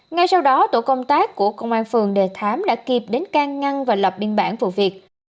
ngay sau đó tổ công tác của công an phường đề thám đã kịp đến can ngăn và lập biên bản vụ việc